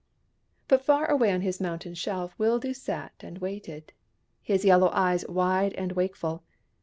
But far away on his mountain shelf Wildoo sat and waited, his yellow eyes wide and wakeful.